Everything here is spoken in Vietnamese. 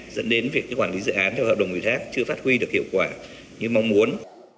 dẫn đến việc quản lý dự án theo hợp đồng ủy thác chưa phát huy được hiệu quả như mong muốn